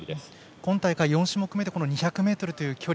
今大会４種目めで２００ｍという距離。